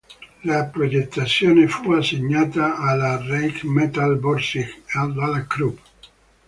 La progettazione fu assegnata alla Rheinmetall-Borsig e dalla Krupp.